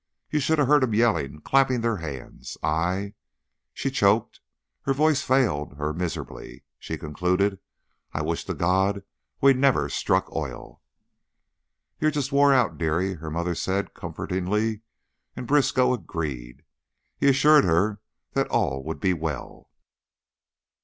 "You should of heard 'em yelling, clapping their hands ! I" she choked, her voice failed her, miserably she concluded "I wish to God we'd never struck oil!" "You're just wore out, dearie," her mother said, comfortingly, and Briskow agreed. He assured her that all would be well.